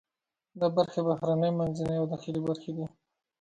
دا برخې بهرنۍ، منځنۍ او داخلي برخې دي.